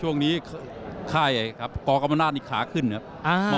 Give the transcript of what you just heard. ช่วงนี้ไข้ครับกอกัปนาทนี่ขาขึ้นครับอ่า